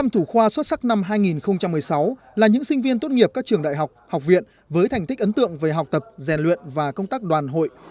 một mươi thủ khoa xuất sắc năm hai nghìn một mươi sáu là những sinh viên tốt nghiệp các trường đại học học viện với thành tích ấn tượng về học tập rèn luyện và công tác đoàn hội